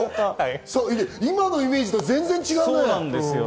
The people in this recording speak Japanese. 今のイメージと全然違う。